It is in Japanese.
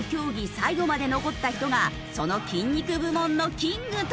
最後まで残った人がその筋肉部門のキングとなる。